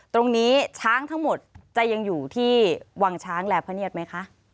ตรงนี้ช้างทั้งหมดจะยังอยู่ที่วังช้างและพระเนียดไหมคะ